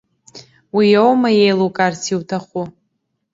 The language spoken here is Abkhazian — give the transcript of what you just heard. Уиоума еилукаарц иуҭаху?